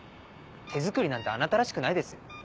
手作りなんてあなたらしくないですよ。